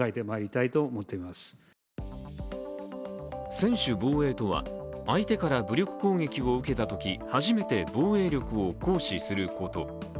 専守防衛とは相手から武力攻撃を受けたとき初めて防衛力を行使すること。